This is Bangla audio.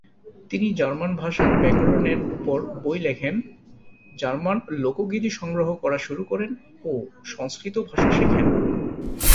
তিনি জার্মান ভাষার ব্যাকরণের ওপরে বই লেখেন, জার্মান লোকগীতি সংগ্রহ করা শুরু করেন ও সংস্কৃত ভাষা শেখেন।